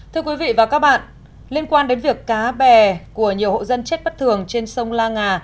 thưa quý vị và các bạn liên quan đến việc cá bè của nhiều hộ dân chết bất thường trên sông la ngà